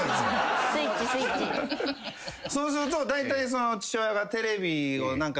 そうするとだいたい。